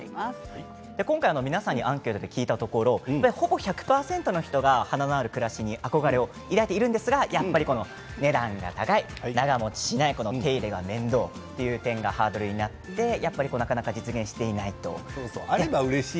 今回、皆さんにアンケートで聞いたところほぼ１００％の人が花のある暮らしに憧れを抱いているんですがやっぱり値段が高い、長もちしない手入れが面倒という点がハードルになってなかなか実現していないと。